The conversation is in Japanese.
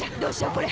これ。